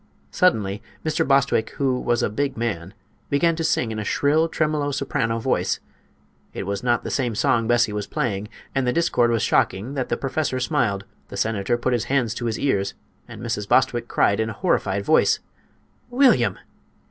Suddenly Mr. Bostwick, who was a big man, began to sing in a shrill, tremolo soprano voice. It was not the same song Bessie was playing, and the discord was shocking that the professor smiled, the senator put his hands to his ears and Mrs. Bostwick cried in a horrified voice: "William!"